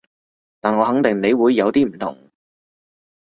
但我肯定你會有啲唔同